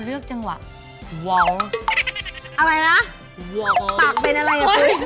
หรือใส่ล่าปุ๊ย